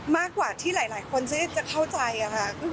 มากกว่าที่หลายคนจะเข้าใจค่ะ